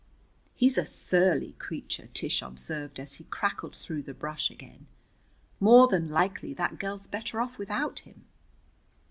"He's a surly creature," Tish observed as he crackled through the brush again. "More than likely that girl's better off without him."